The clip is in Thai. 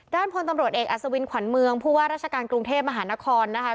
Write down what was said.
พลตำรวจเอกอัศวินขวัญเมืองผู้ว่าราชการกรุงเทพมหานครนะคะ